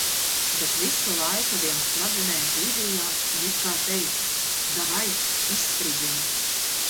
Bet visu laiku viens smadzenēs dīdījās un it kā teica, davai izspridzini.